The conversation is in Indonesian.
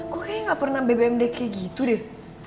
kok kayaknya gak pernah bebe em deh kayak gitu deh